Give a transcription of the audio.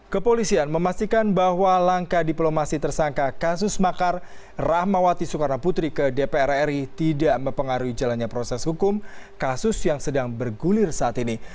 kepolisian memastikan bahwa langkah diplomasi tersangka kasus makar rahmawati soekarno putri ke dpr ri tidak mempengaruhi jalannya proses hukum kasus yang sedang bergulir saat ini